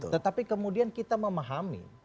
tetapi kemudian kita memahami